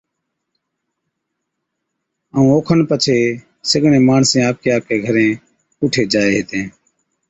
ائُون اوکن پڇي سِگڙين ماڻسين آپڪي آپڪي گھرين پُوٺي جائي ھِتين